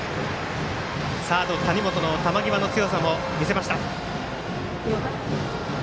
サード谷本の球際の強さも見せました。